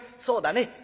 「そうだね。